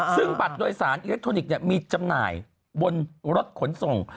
ซึ่งบัตรโดยสารอิเล็กทรอนิกส์มีจำหน่ายบนรถขนส่ง